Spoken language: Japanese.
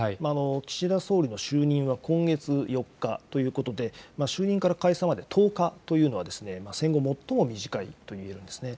岸田総理の就任は今月４日ということで、就任から解散まで１０日というのは、戦後最も短いといえるんですね。